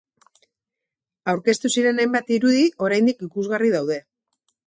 Aurkeztu ziren hainbat irudi oraindik ikusgarri daude.